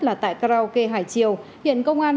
là tại karaoke hải triều hiện công an